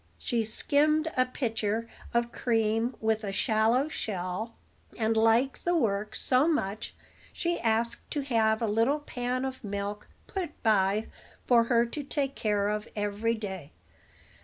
She skimmed a pitcher of cream with a shallow shell, and liked the work so much she asked to have a little pan of milk put by for her to take care of every day.